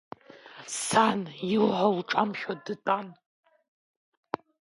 Сан илҳәо лҿамшәо дтәан.